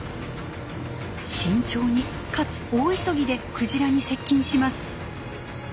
慎重にかつ大急ぎでクジラに接近します。